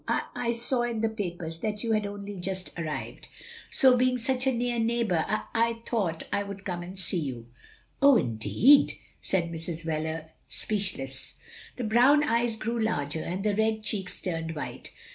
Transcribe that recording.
I — I saw in the papers that you had only just arrived — so being such a near neighbour, I — I thought "l would come and see you. " "Oh, indeed," said Mrs. Wheler, speechless. The brown eyes grew larger, and the red cheeks turned white.